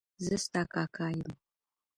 زه ستا کاکا یم.